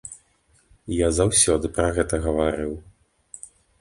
Я заўсёды пра гэта гаварыў.